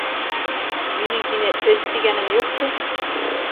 Минең һине эт тигәнем юҡсы...